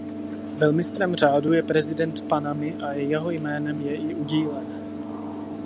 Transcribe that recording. Velmistrem řádu je prezident Panamy a jeho jménem je i udílen.